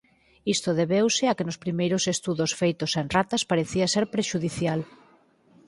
Isto debeuse a que nos primeiros estudos feitos en ratas parecía ser prexudicial.